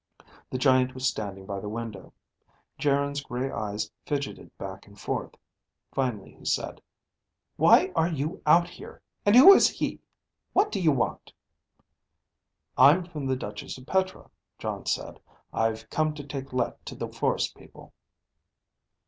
The giant was standing by the window. Geryn's gray eyes fidgeted back and forth. Finally he said, "Why are you out here? And who is he? What do you want?" "I'm from the Duchess of Petra," Jon said. "I've come to take Let to the forest people."